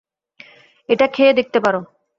এটা খেয়ে দেখতে পারো।